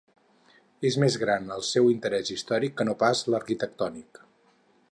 És més gran el seu interès històric que no pas l'arquitectònic.